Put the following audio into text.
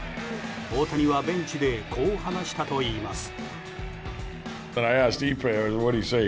大谷はベンチでこう話したといいます。